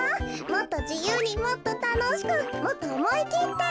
もっとじゆうにもっとたのしくもっとおもいきって。